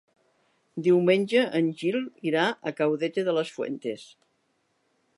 Diumenge en Gil irà a Caudete de las Fuentes.